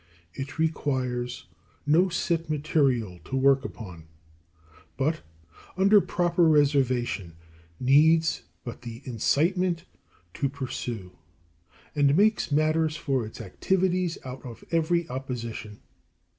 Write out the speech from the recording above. It requires no set material to work upon, but, under proper reservation, needs but the incitement to pursue, and makes matter for its activities out of every opposition.